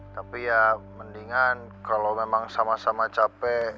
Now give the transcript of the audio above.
tapi ya mendingan kalau memang sama sama capek